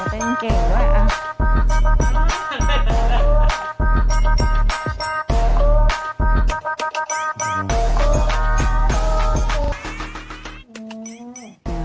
โอ้เต้นเก่งด้วยอ่ะ